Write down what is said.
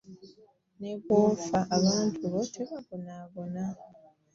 Ne bw'ofa abantu bo tebabonaabona.